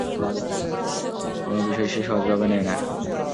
কোন বিষয় সে সহজভাবে নেয় না।